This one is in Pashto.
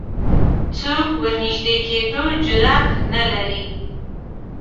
څوک ورنژدې کېدو جرئت نه لري